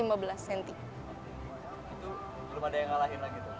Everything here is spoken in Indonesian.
itu belum ada yang ngalahin lagi tuh